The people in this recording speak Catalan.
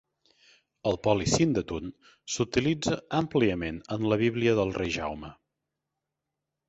El polisíndeton s'utilitza àmpliament en la Bíblia del rei Jaume.